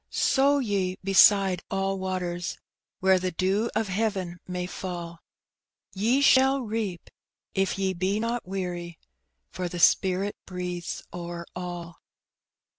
Sow ye beside all waters, Where the dew of heaven may fall; Ye shall reap, if ye be not weary, For the Spirit breathes o'er all.